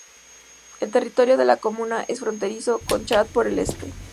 El territorio de la comuna es fronterizo con Chad por el este.